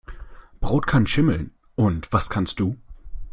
Brot kann schimmeln. Und was kannst du?